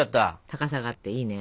高さがあっていいね。